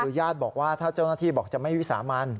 คือญาติบอกว่าถ้าเจ้าหน้าที่บอกจะไม่วิสามัน